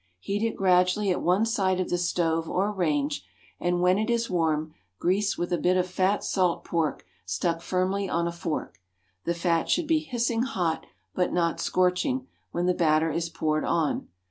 Heat it gradually at one side of the stove or range, and when it is warm grease with a bit of fat salt pork stuck firmly on a fork. The fat should be hissing hot, but not scorching, when the batter is poured on.